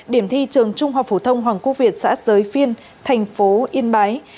điểm thi trường trung học phổ thông hoàng quốc việt xã giới phiên thành phố yên bái